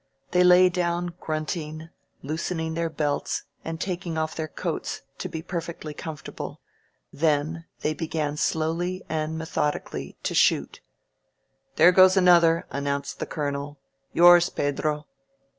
They lay down grunting, loosening their belts and taking off their coats to be perfectly comfortable; then they be gan slowly and methodically to shoot. There goes another," announced the Colonel. "Yours, Pedro."